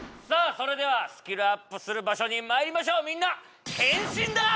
それではスキルアップする場所にまいりましょうみんな変身！